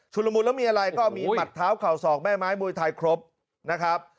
ละมุนแล้วมีอะไรก็มีหมัดเท้าเข่าศอกแม่ไม้มวยไทยครบนะครับ